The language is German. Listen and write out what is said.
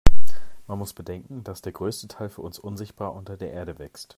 Man muss bedenken, dass der größte Teil für uns unsichtbar unter der Erde wächst.